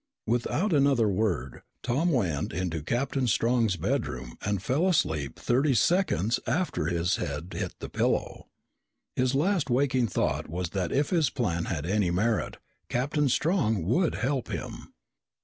Without another word, Tom went into Captain Strong's bedroom and fell asleep thirty seconds after his head hit the pillow. His last waking thought was that if his plan had any merit Captain Strong would help him.